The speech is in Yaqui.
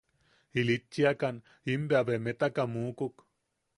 Ilitchiakan, im bea beemetaka mukuk.